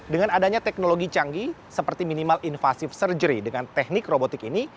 dengan adanya teknologi canggih seperti minimal invasive surgery dengan teknik robotik ini